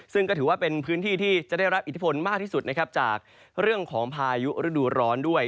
ซึ่งก็ถือว่าเป็นพื้นที่ที่จะได้รับอิทธิพลมากที่สุดนะครับจากเรื่องของพายุฤดูร้อนด้วย